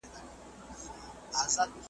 په خپل عقل او په پوهه دنیادار یې ,